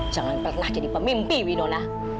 jangan pernah jadi pemimpi wino nona